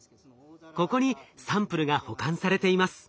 ここにサンプルが保管されています。